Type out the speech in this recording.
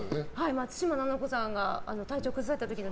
松嶋菜々子さんが体調を崩された時の。